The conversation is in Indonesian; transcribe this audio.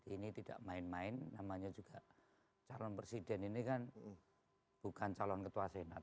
ini tidak main main namanya juga calon presiden ini kan bukan calon ketua senat